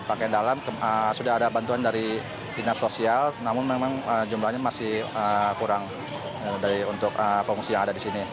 pakaian dalam sudah ada bantuan dari dinas sosial namun memang jumlahnya masih kurang untuk pengungsi yang ada di sini